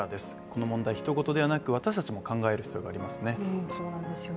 この問題、人ごとではなく私たちも考える必要がありますね。